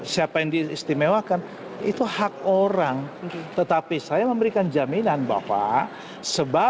jadi tidak akan ada kesetemauan terhadap institusi